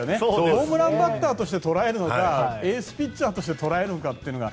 ホームランバッターとして捉えるのかエースピッチャーとして捉えるのかというのが。